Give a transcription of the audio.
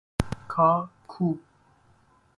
کا کو